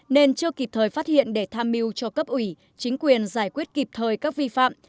nên chưa kịp thời phát hiện để tham mưu cho cấp ủy chính quyền giải quyết kịp thời các vi phạm